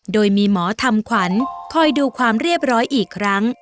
โดยมีหมอทำขวัญคอยดูความเรียบร้อยอีกครั้ง